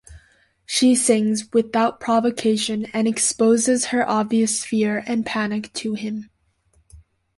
She sings without provocation and exposes her obvious fear and panic to him.